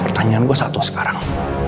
pertanyaan gua satu sekarang